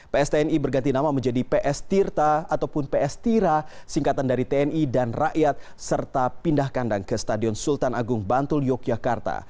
pstni berganti nama menjadi ps tirta ataupun ps tira singkatan dari tni dan rakyat serta pindah kandang ke stadion sultan agung bantul yogyakarta